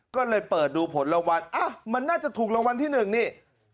ก็เลยเปิดดูผลรางวัลมันน่าจะถูกรางวัลที่๑นี่